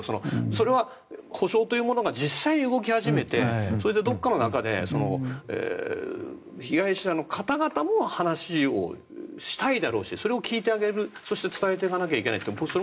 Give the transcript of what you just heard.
それは補償というものが実際に動き始めてどこかの中で、被害者の方々も話をしたいだろうしそれを聞いてあげるそして伝えていかないといけない。